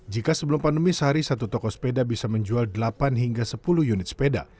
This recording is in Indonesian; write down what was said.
jika sebelum pandemi sehari satu toko sepeda bisa menjual delapan hingga sepuluh unit sepeda